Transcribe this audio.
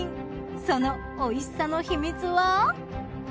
そのおいしさの秘密は？